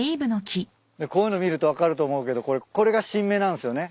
こういうの見ると分かると思うけどこれが新芽なんすよね